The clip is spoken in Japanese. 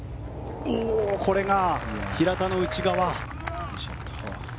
これは平田の内側。